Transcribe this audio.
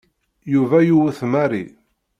Yuba yewwet Mary.